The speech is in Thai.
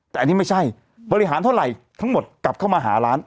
แต่อันนี้ไม่ใช่บริหารเท่าไหร่ทั้งหมดกลับเข้ามาหาร้าน